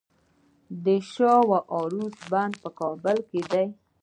د شاه و عروس بند په کابل کې دی